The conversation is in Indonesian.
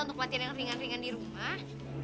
untuk latihan yang ringan ringan di rumah